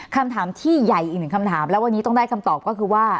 คำถามที่ใหญ่อีกหนึ่งคำถามแล้ววันนี้ต้องได้คำตอบก็คือว่า